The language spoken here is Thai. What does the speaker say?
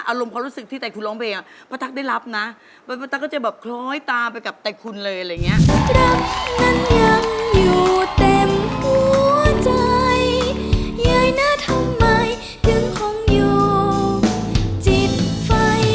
อารมณ์ความรู้สึกที่ไตคุณร้องเพลงอ่ะป้าตั๊กได้รับนะป้าตั๊กก็จะแบบคล้อยตามไปกับไตคุณเลยอะไรอย่างนี้